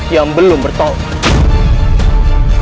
yang belum bertolak